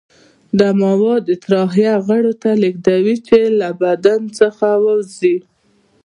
دا مواد اطراحیه غړو ته لیږدوي چې له بدن څخه ووځي.